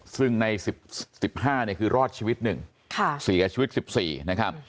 ซึ่งใน๑๕เนี่ยคือรอดชีวิต๑เสียชีวิต๑๔นะครับ